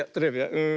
うん。